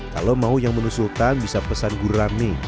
kalau mau yang menu sultan bisa pesan gurame